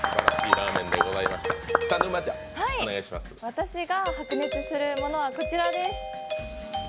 私が白熱するものは、こちらです。